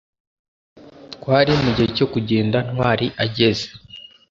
twari mugihe cyo kugenda ntwali ageze